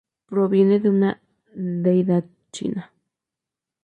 Proviene de una deidad china.